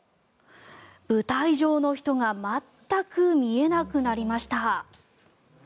舞台上の人が全く見えなくなりました。